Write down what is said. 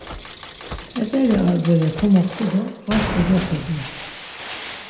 T̆et̆eli ar bere komoxtu do kvas kogexedu.